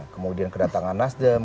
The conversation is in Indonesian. kemudian kedatangan nasdem